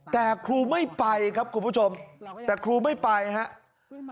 แต่ครูไม่ไปครับคุณผู้ชมแต่ครูไม่ไปครับ